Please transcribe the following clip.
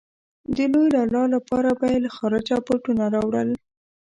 د لوی لالا لپاره به يې له خارجه بوټونه راوړل.